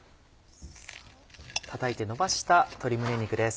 叩いて伸ばした鶏胸肉です。